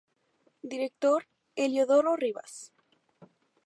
Director: Heliodoro Rivas.